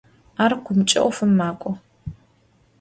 Ar kumç'e 'ofım mek'o.